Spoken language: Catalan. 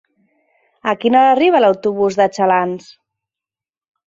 A quina hora arriba l'autobús de Xalans?